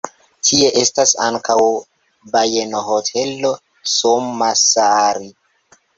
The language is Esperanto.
Tie estas ankaŭ bajenohotelo Summassaari.